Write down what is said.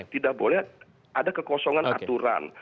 tidak boleh ada kekosongan aturan